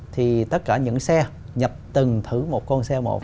thì tất cả những xe nhập từng thử một con xe một